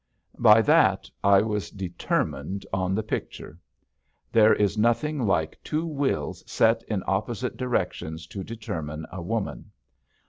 By that I was determined on the picture. There is nothing like two wills set in opposite directions to determine a woman.